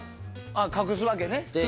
隠すわけね。